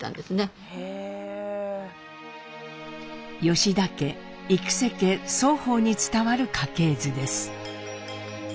吉田家幾家双方に伝わる家系図です。